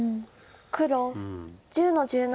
黒１０の十七。